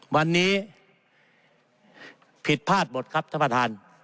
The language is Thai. วันนี้ผิดพลาดหมดครับท่านประธาน